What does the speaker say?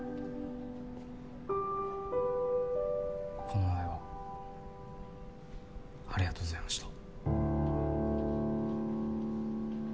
この前はありがとうございました。